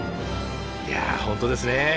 いや本当ですね。